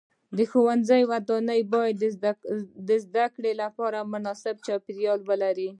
د ښوونځي ودانۍ باید د زده کړې لپاره مناسب چاپیریال ولري.